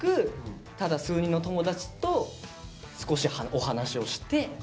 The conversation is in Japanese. ただ数人の友達と少しお話をして過ごす。